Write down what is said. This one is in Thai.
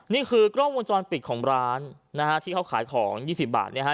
นี่คือกล้องวงจรปิดของร้านนะฮะที่เขาขายของ๒๐บาทเนี่ยฮะ